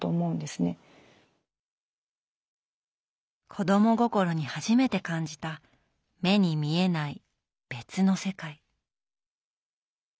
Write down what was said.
子ども心に初めて感じた目に見えない別の世界。